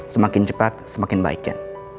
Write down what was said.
semakin cepat semakin baik jen